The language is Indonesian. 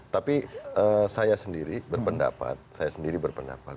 tapi saya sendiri berpendapat saya sendiri berpendapat